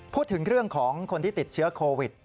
พูดถึงเรื่องของคนที่ติดเชื้อโควิด